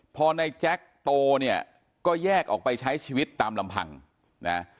พอในแจ๊คโตเนี่ยก็แยกออกไปใช้ชีวิตตามลำพังนะ